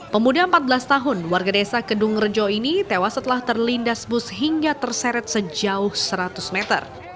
pemuda empat belas tahun warga desa kedung rejo ini tewas setelah terlindas bus hingga terseret sejauh seratus meter